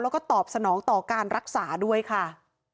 แล้วก็ตอบสนองต่อการรักษาด้วยค่ะ